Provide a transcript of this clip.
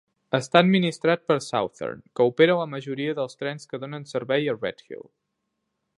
Està administrat per Southern, que opera la majoria dels trens que donen servei a Redhill.